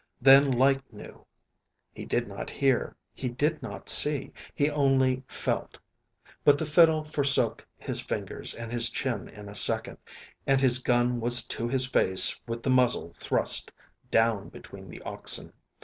Then Lyte knew. He did not hear, he did not see, he only felt; but the fiddle forsook his fingers and his chin in a second, and his gun was to his face with the muzzle thrust down between the oxen.